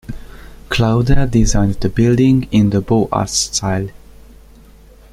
Klauder designed the building in the Beaux Arts style.